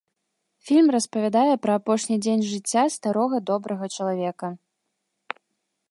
Фільм распавядае пра апошні дзень жыцця старога добрага чалавека.